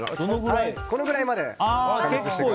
このくらいまで。